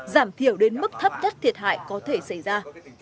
giảm thiểu đến mức thấp nhất thiệt hại có thể xảy ra